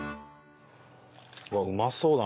うわっうまそうだ